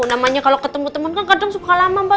namanya kalau ketemu teman kan kadang suka lama mbak